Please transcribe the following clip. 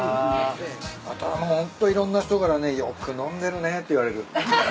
あとホントいろんな人からね「よく飲んでるね」って言われる。